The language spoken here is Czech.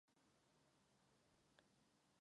Unie však neohrozí občanské svobody a základní práva.